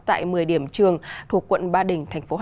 tại một mươi điện thoại